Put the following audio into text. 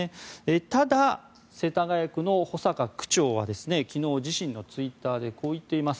ただ、世田谷区の保坂区長は昨日、自身のツイッターでこう言っています。